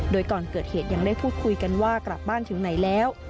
โดยก่อนเกิดเหตุยังได้พูดคุยกันว่ากลับบ้านถึงไหนแล้ว